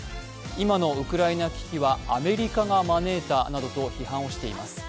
今のウクライナ危機はアメリカが招いたなとど批判をしています。